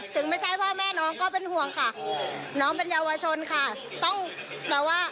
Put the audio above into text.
ถึงไม่ใช่พ่อแม่น้องก็เป็นห่วงค่ะน้องเป็นเยาวชนค่ะต้องแต่ว่า